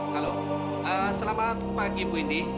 halo selamat pagi bu indi